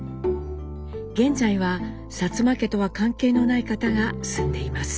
現在は薩摩家とは関係のない方が住んでいます。